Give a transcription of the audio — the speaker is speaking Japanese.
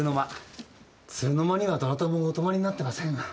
鶴の間にはどなたもお泊まりになってませんが。